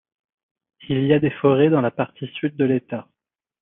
Il y a des forêts dans la partie sud de l'Etat.